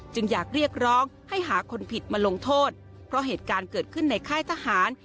จึงอยากเรียกร้องให้หาคนผิดมาลงโทษเพราะเหตุการณ์เกิดขึ้นในค่ายทหาร